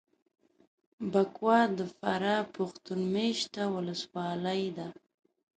بکوا دفراه پښتون مېشته ولسوالي ده